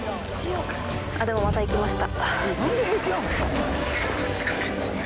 でもまた行きました。